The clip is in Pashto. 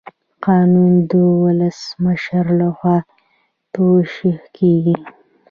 قانون د ولسمشر لخوا توشیح کیږي.